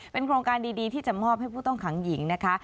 โครงการดีที่จะมอบให้ผู้ต้องขังหญิงนะคะ